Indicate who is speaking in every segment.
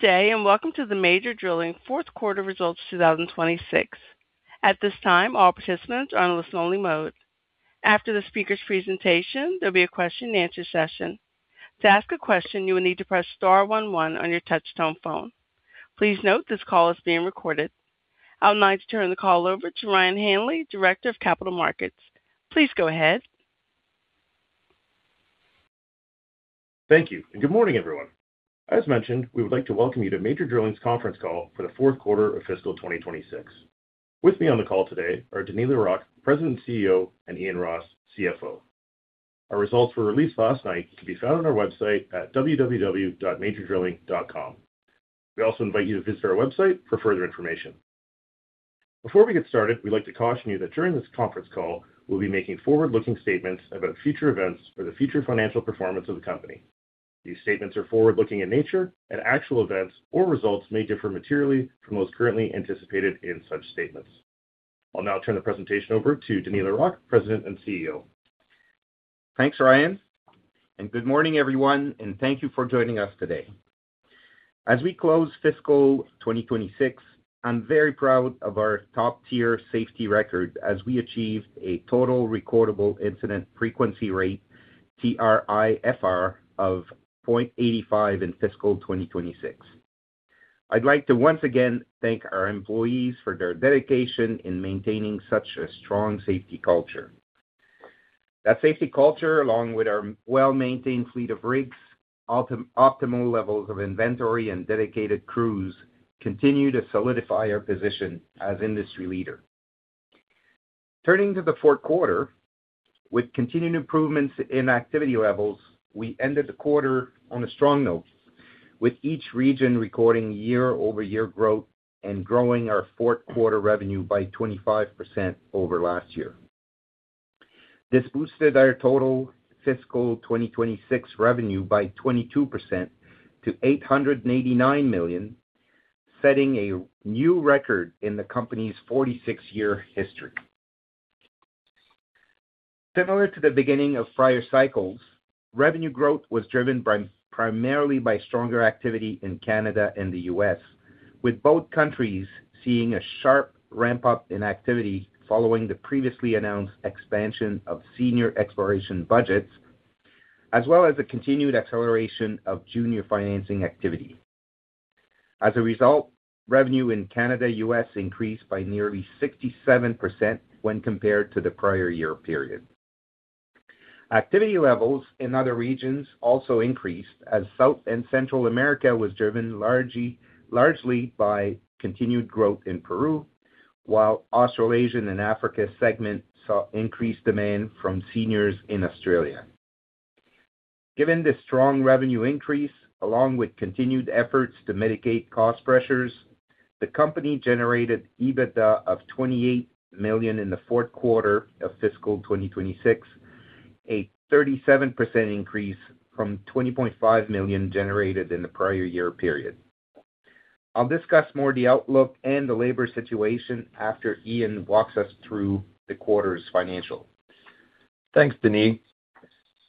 Speaker 1: Good day and welcome to the Major Drilling fourth quarter results 2026. At this time, all participants are on listen only mode. After the speaker's presentation, there will be a question and answer session. To ask a question, you will need to press star one one on your touchtone phone. Please note this call is being recorded. I would like to turn the call over to Ryan Hanley, Director of Capital Markets. Please go ahead.
Speaker 2: Thank you. Good morning, everyone. As mentioned, we would like to welcome you to Major Drilling's conference call for the fourth quarter of fiscal 2026. With me on the call today are Denis Larocque, President and CEO, and Ian Ross, CFO. Our results were released last night and can be found on our website at www.majordrilling.com. We also invite you to visit our website for further information. Before we get started, we would like to caution you that during this conference call, we will be making forward-looking statements about future events or the future financial performance of the company. These statements are forward-looking in nature, and actual events or results may differ materially from those currently anticipated in such statements. I will now turn the presentation over to Denis Larocque, President and CEO.
Speaker 3: Thanks, Ryan. Good morning, everyone, and thank you for joining us today. As we close fiscal 2026, I am very proud of our top-tier safety record as we achieved a Total Recordable Incident Frequency Rate, TRIFR, of 0.85 in fiscal 2026. I would like to once again thank our employees for their dedication in maintaining such a strong safety culture. That safety culture, along with our well-maintained fleet of rigs, optimal levels of inventory, and dedicated crews, continue to solidify our position as industry leader. Turning to the fourth quarter, with continued improvements in activity levels, we ended the quarter on a strong note, with each region recording year-over-year growth and growing our fourth quarter revenue by 25% over last year. This boosted our total fiscal 2026 revenue by 22% to 889 million, setting a new record in the company's 46-year history. Similar to the beginning of prior cycles, revenue growth was driven primarily by stronger activity in Canada and the U.S., with both countries seeing a sharp ramp-up in activity following the previously announced expansion of senior exploration budgets, as well as the continued acceleration of junior financing activity. As a result, revenue in Canada, U.S. increased by nearly 67% when compared to the prior year period. Activity levels in other regions also increased, as South and Central America was driven largely by continued growth in Peru, while Australasian and Africa segment saw increased demand from seniors in Australia. Given this strong revenue increase, along with continued efforts to mitigate cost pressures, the company generated EBITDA of 28 million in the fourth quarter of fiscal 2026, a 37% increase from 20.5 million generated in the prior year period. I'll discuss more the outlook and the labor situation after Ian walks us through the quarter's financials.
Speaker 4: Thanks, Denis.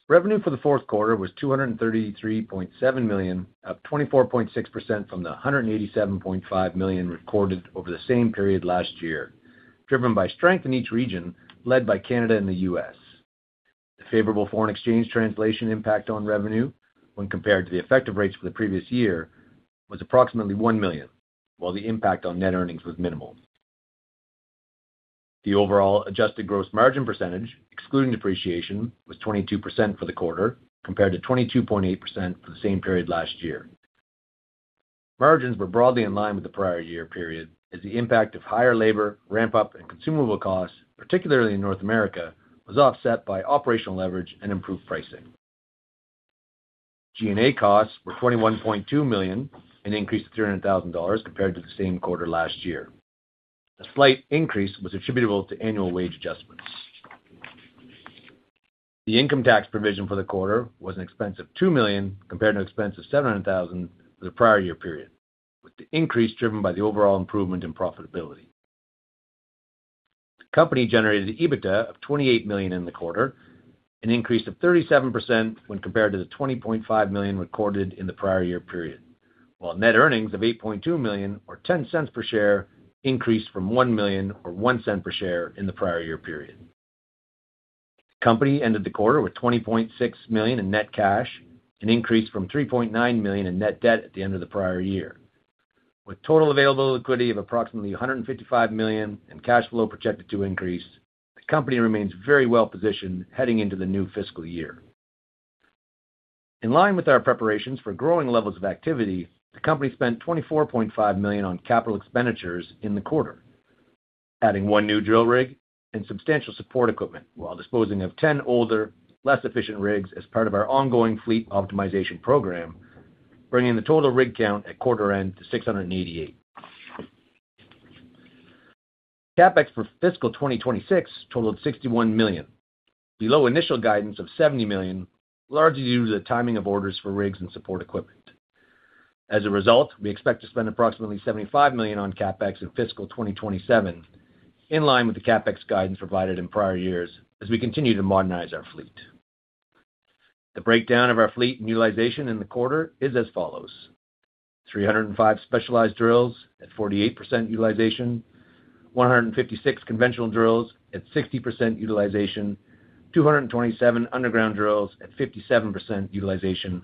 Speaker 4: Revenue for the fourth quarter was 233.7 million, up 24.6% from the 187.5 million recorded over the same period last year, driven by strength in each region, led by Canada and the U.S. The favorable foreign exchange translation impact on revenue when compared to the effective rates for the previous year was approximately 1 million, while the impact on net earnings was minimal. The overall adjusted gross margin percentage, excluding depreciation, was 22% for the quarter, compared to 22.8% for the same period last year. Margins were broadly in line with the prior year period as the impact of higher labor ramp-up and consumable costs, particularly in North America, was offset by operational leverage and improved pricing. G&A costs were 41.2 million, an increase of 300,000 dollars compared to the same quarter last year. The slight increase was attributable to annual wage adjustments. The income tax provision for the quarter was an expense of 2 million, compared to an expense of 700,000 for the prior year period, with the increase driven by the overall improvement in profitability. The company generated EBITDA of 28 million in the quarter, an increase of 37% when compared to the 20.5 million recorded in the prior year period. Net earnings of 8.2 million, or 0.10 per share, increased from 1 million or 0.01 per share in the prior year period. The company ended the quarter with 20.6 million in net cash, an increase from 3.9 million in net debt at the end of the prior year. With total available liquidity of approximately 155 million and cash flow projected to increase, the company remains very well-positioned heading into the new fiscal year. In line with our preparations for growing levels of activity, the company spent 24.5 million on capital expenditures in the quarter, adding one new drill rig and substantial support equipment while disposing of 10 older, less efficient rigs as part of our ongoing fleet optimization program, bringing the total rig count at quarter end to 688. CapEx for fiscal 2026 totaled 61 million, below initial guidance of 70 million, largely due to the timing of orders for rigs and support equipment. As a result, we expect to spend approximately 75 million on CapEx in fiscal 2027, in line with the CapEx guidance provided in prior years as we continue to modernize our fleet. The breakdown of our fleet and utilization in the quarter is as follows. 305 specialized drills at 48% utilization, 156 conventional drills at 60% utilization, 227 underground drills at 57% utilization,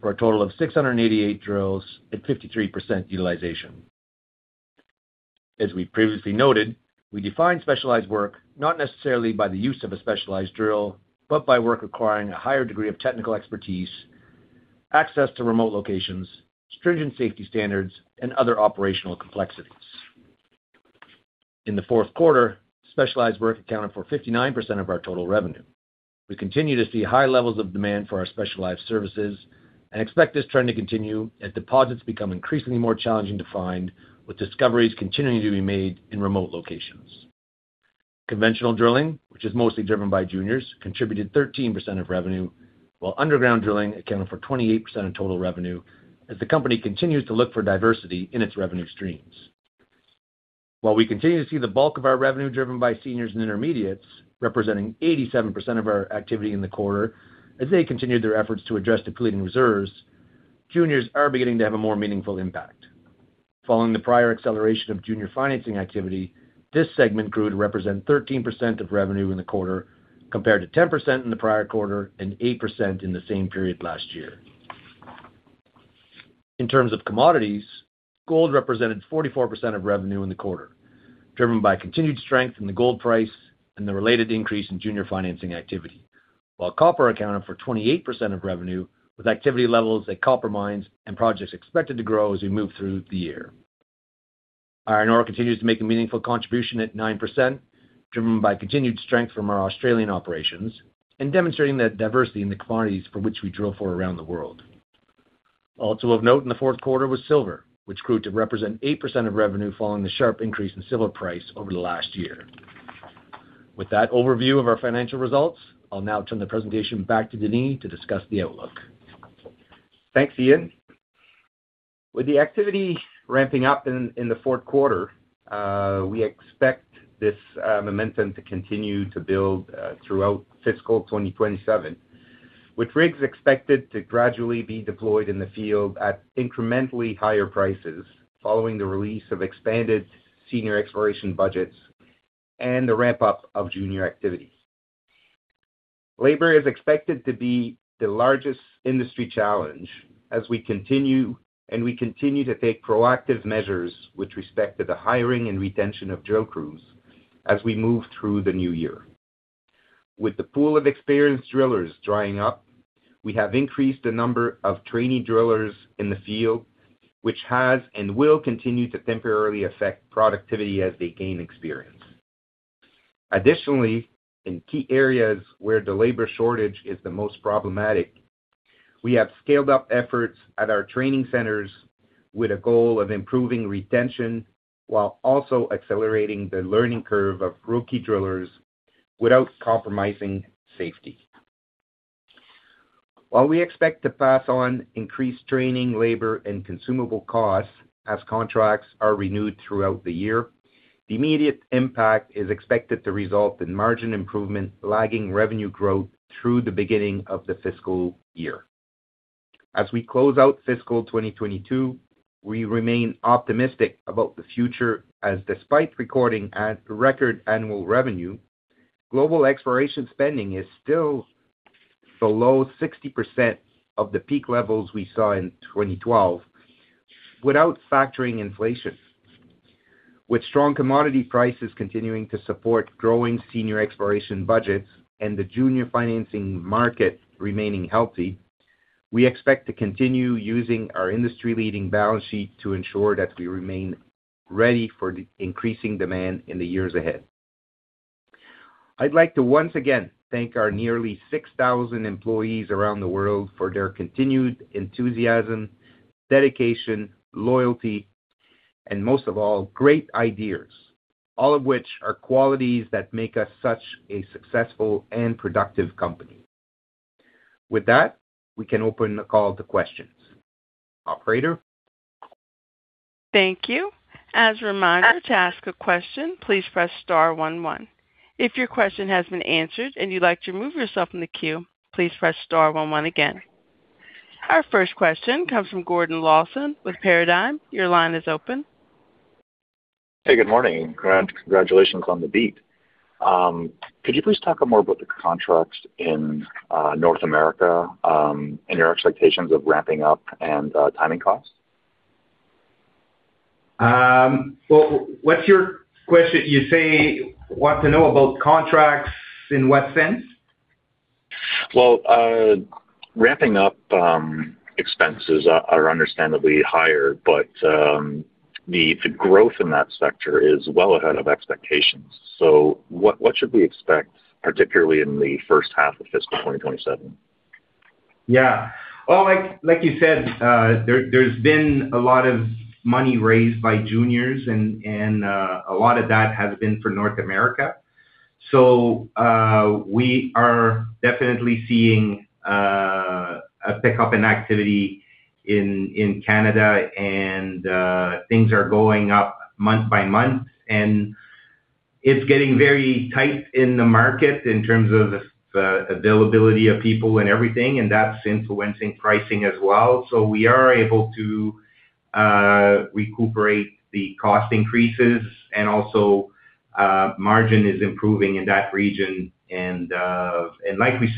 Speaker 4: for a total of 688 drills at 53% utilization. As we've previously noted, we define specialized work not necessarily by the use of a specialized drill, but by work requiring a higher degree of technical expertise, access to remote locations, stringent safety standards, and other operational complexities. In the fourth quarter, specialized work accounted for 59% of our total revenue. We continue to see high levels of demand for our specialized services and expect this trend to continue as deposits become increasingly more challenging to find, with discoveries continuing to be made in remote locations. Conventional drilling, which is mostly driven by juniors, contributed 13% of revenue, while underground drilling accounted for 28% of total revenue, as the company continues to look for diversity in its revenue streams. While we continue to see the bulk of our revenue driven by seniors and intermediates, representing 87% of our activity in the quarter, as they continue their efforts to address depleting reserves, juniors are beginning to have a more meaningful impact. Following the prior acceleration of junior financing activity, this segment grew to represent 13% of revenue in the quarter, compared to 10% in the prior quarter and 8% in the same period last year. In terms of commodities, gold represented 44% of revenue in the quarter, driven by continued strength in the gold price and the related increase in junior financing activity. While copper accounted for 28% of revenue, with activity levels at copper mines and projects expected to grow as we move through the year. Iron ore continues to make a meaningful contribution at 9%, driven by continued strength from our Australian operations and demonstrating the diversity in the commodities for which we drill for around the world. Also of note in the fourth quarter was silver, which grew to represent 8% of revenue following the sharp increase in silver price over the last year. With that overview of our financial results, I'll now turn the presentaion back to Denis Larocque to discuss the outlook.
Speaker 3: Thanks, Ian Ross. With the activity ramping up in the fourth quarter, we expect this momentum to continue to build throughout fiscal 2027, with rigs expected to gradually be deployed in the field at incrementally higher prices following the release of expanded senior exploration budgets and the ramp-up of junior activity. Labor is expected to be the largest industry challenge as we continue to take proactive measures with respect to the hiring and retention of drill crews as we move through the new year. With the pool of experienced drillers drying up, we have increased the number of trainee drillers in the field, which has and will continue to temporarily affect productivity as they gain experience. Additionally, in key areas where the labor shortage is the most problematic, we have scaled up efforts at our training centers with a goal of improving retention while also accelerating the learning curve of rookie drillers without compromising safety. While we expect to pass on increased training, labor, and consumable costs as contracts are renewed throughout the year, the immediate impact is expected to result in margin improvement lagging revenue growth through the beginning of the fiscal year. As we close out fiscal 2026, we remain optimistic about the future as despite recording a record annual revenue, global exploration spending is still below 60% of the peak levels we saw in 2012 without factoring inflation. With strong commodity prices continuing to support growing senior exploration budgets and the junior financing market remaining healthy, we expect to continue using our industry-leading balance sheet to ensure that we remain ready for the increasing demand in the years ahead. I'd like to once again thank our nearly 6,000 employees around the world for their continued enthusiasm, dedication, loyalty, and most of all, great ideas, all of which are qualities that make us such a successful and productive company. With that, we can open the call to questions. Operator.
Speaker 1: Thank you. As a reminder, to ask a question, please press star one. If your question has been answered and you'd like to remove yourself from the queue, please press star one again. Our first question comes from Gordon Lawson with Paradigm. Your line is open.
Speaker 5: Hey, good morning. Congratulations on the beat. Could you please talk more about the contracts in North America and your expectations of ramping up and timing costs?
Speaker 3: What's your question? You want to know about contracts, in what sense?
Speaker 5: Ramping up expenses are understandably higher, the growth in that sector is well ahead of expectations. What should we expect, particularly in the first half of fiscal 2027?
Speaker 3: Like you said, there's been a lot of money raised by juniors and a lot of that has been for North America. We are definitely seeing a pickup in activity in Canada, things are going up month by month, it's getting very tight in the market in terms of the availability of people and everything, that's influencing pricing as well. We are able to recuperate the cost increases and also, margin is improving in that region. Like we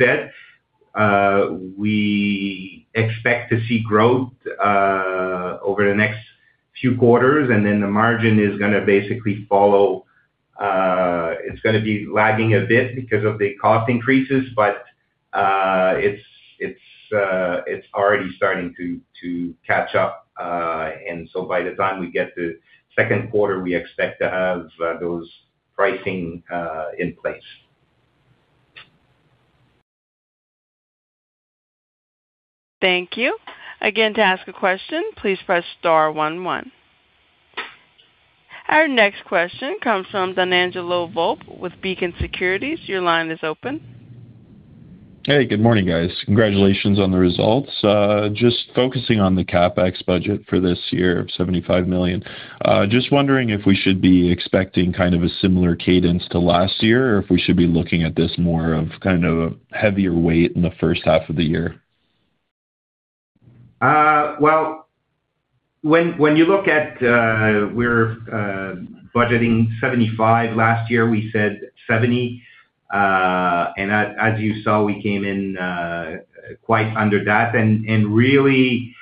Speaker 3: said, we expect to see growth over the next few quarters, the margin is going to basically follow. It's going to be lagging a bit because of the cost increases, but it's already starting to catch up. By the time we get to second quarter, we expect to have those pricing in place.
Speaker 1: Thank you. Again, to ask a question, please press star one one. Our next question comes from Donangelo Volpe with Beacon Securities. Your line is open.
Speaker 6: Hey, good morning, guys. Congratulations on the results. Focusing on the CapEx budget for this year of 75 million. Just wondering if we should be expecting kind of a similar cadence to last year, or if we should be looking at this more of kind of a heavier weight in the first half of the year?
Speaker 3: Well, when you look at we are budgeting 75, last year we said 70. As you saw, we came in quite under that. Really,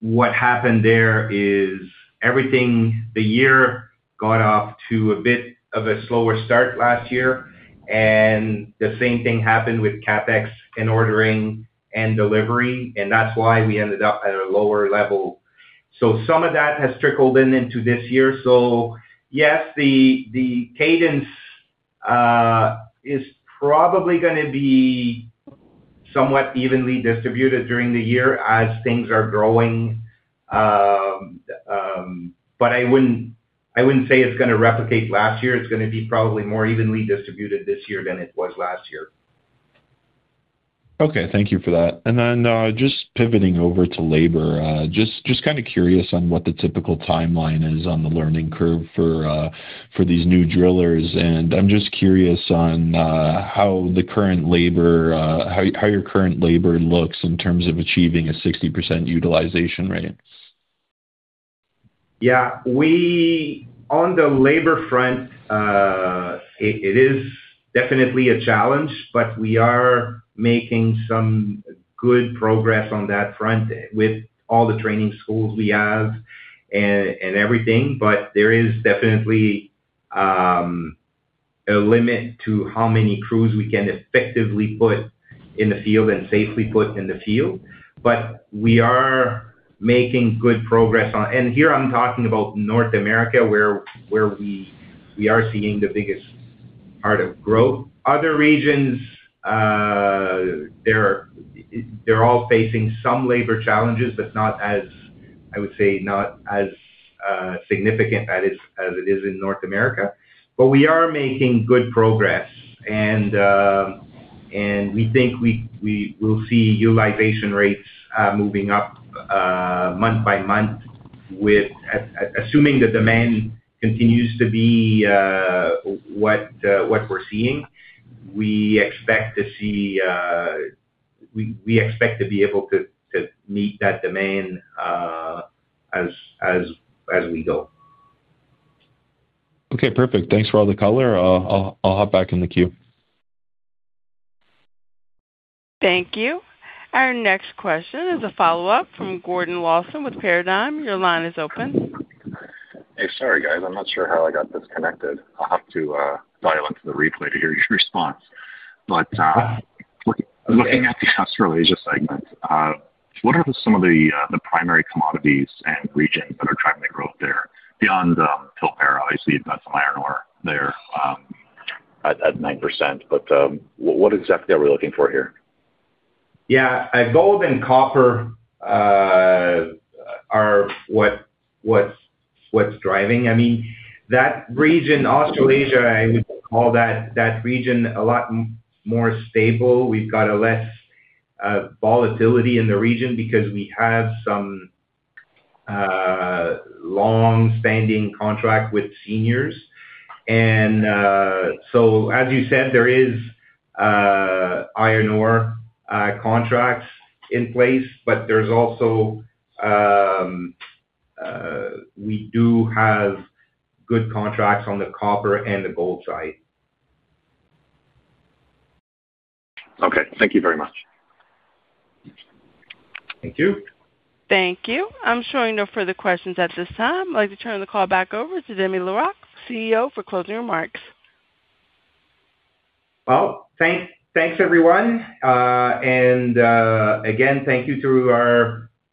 Speaker 3: what happened there is everything, the year got off to a bit of a slower start last year, and the same thing happened with CapEx in ordering and delivering, and that is why we ended up at a lower level. Some of that has trickled in into this year. Yes, the cadence is probably going to be somewhat evenly distributed during the year as things are growing. I wouldn't say it's going to replicate last year. It's going to be probably more evenly distributed this year than it was last year.
Speaker 6: Okay. Thank you for that. Just pivoting over to labor, just kind of curious on what the typical timeline is on the learning curve for these new drillers. I'm just curious on how your current labor looks in terms of achieving a 60% utilization rate.
Speaker 3: Yeah. On the labor front, it is definitely a challenge, but we are making some good progress on that front with all the training schools we have and everything. There is definitely a limit to how many crews we can effectively put in the field and safely put in the field. We are making good progress on it. Here I'm talking about North America, where we are seeing the biggest part of growth. Other regions, they're all facing some labor challenges, but I would say not as significant as it is in North America. We are making good progress, and we think we'll see utilization rates moving up month by month. Assuming the demand continues to be what we're seeing, we expect to be able to meet that demand as we go.
Speaker 6: Okay, perfect. Thanks for all the color. I'll hop back in the queue.
Speaker 1: Thank you. Our next question is a follow-up from Gordon Lawson with Paradigm. Your line is open.
Speaker 5: Hey, sorry, guys. I'm not sure how I got disconnected. I'll have to dial into the replay to hear your response. Looking at the Australasia segment, what are some of the primary commodities and regions that are driving the growth there beyond Pilbara? Obviously, you've got some iron ore there at 9%, what exactly are we looking for here?
Speaker 3: Yeah. Gold and copper are what's driving. That region, Australasia, I would call that region a lot more stable. We've got less volatility in the region because we have some long-standing contract with seniors. As you said, there is iron ore contracts in place, there's also, we do have good contracts on the copper and the gold side.
Speaker 5: Okay. Thank you very much.
Speaker 3: Thank you.
Speaker 1: Thank you. I'm showing no further questions at this time. I'd like to turn the call back over to Denis Larocque, CEO, for closing remarks.
Speaker 3: Well, thanks, everyone. Again, thank you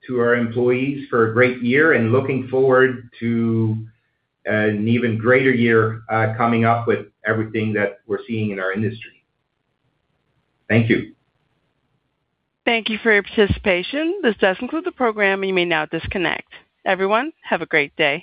Speaker 3: to our employees for a great year, and looking forward to an even greater year coming up with everything that we're seeing in our industry. Thank you.
Speaker 1: Thank you for your participation. This does conclude the program. You may now disconnect. Everyone, have a great day.